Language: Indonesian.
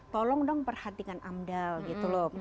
tolong dong perhatikan amdal gitu loh